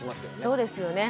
そうですよね。